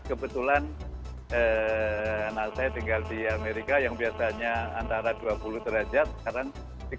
kebetulan anak saya tinggal di amerika yang biasanya antara dua puluh derajat sekarang tiga puluh